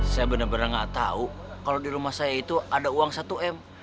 saya benar benar nggak tahu kalau di rumah saya itu ada uang satu m